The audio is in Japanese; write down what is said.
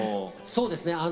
そうですね